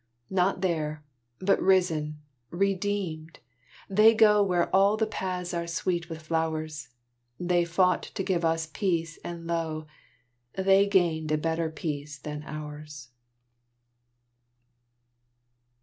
Not there, but risen, redeemed, they go Where all the paths are sweet with flowers; They fought to give us Peace and lo! They gained a better Peace than ours.